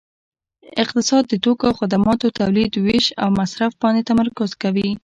اقتصاد د توکو او خدماتو تولید ویش او مصرف باندې تمرکز کوي